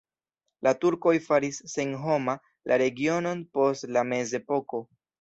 La turkoj faris senhoma la regionon post la mezepoko.